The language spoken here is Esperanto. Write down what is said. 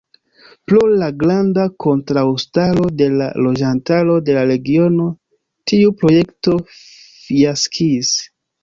Pro la granda kontraŭstaro de la loĝantaro de la regiono, tiu projekto fiaskis.